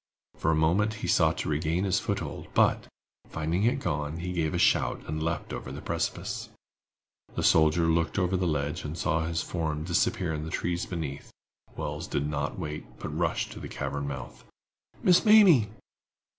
For a moment he sought to regain his foothold, but, finding it gone, he gave a shout and leaped over the precipice. The soldiers looked over the ledge and saw his form disappear in the trees beneath. Wells did not wait, but rushed to the cavern mouth. "Miss Mamie."